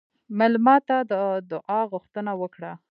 مېلمه ته د دعا غوښتنه وکړه.